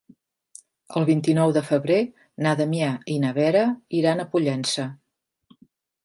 El vint-i-nou de febrer na Damià i na Vera iran a Pollença.